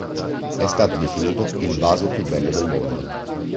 È stato definito "il vaso più bello del mondo".